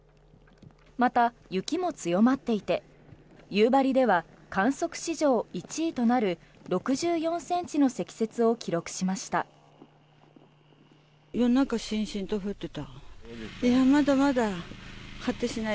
また、雪も強まっていて夕張では観測史上１位となる６４ｃｍの積雪を記録しました。